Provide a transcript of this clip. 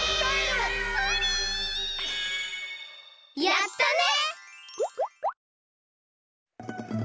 やったね！